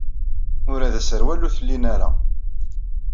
Ula d asawal ur t-lin ara.